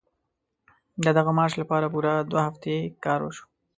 د دغه مارش لپاره پوره دوه هفتې کار وشو.